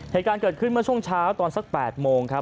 เหตุการณ์เกิดขึ้นเมื่อช่วงเช้าตอนสัก๘โมงครับ